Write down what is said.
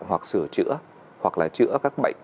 hoặc sửa chữa hoặc là chữa các bệnh